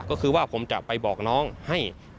ก็คือว่าผมจะไปบอกน้องให้